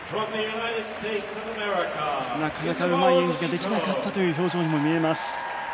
なかなかうまい演技ができなかったという表情にも見えます。